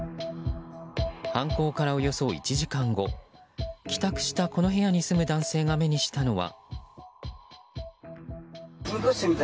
犯行から、およそ１時間後帰宅したこの部屋に住む男性が目にしたのは。